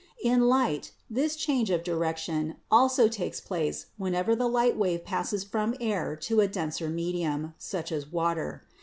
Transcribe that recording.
In light this change of direction also takes place when ever the light wave passes from air to a denser medium, such as water.